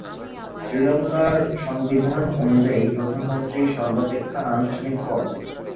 শ্রীলঙ্কার সংবিধান অনুযায়ী প্রধানমন্ত্রী সর্বাপেক্ষা আনুষ্ঠানিক পদ।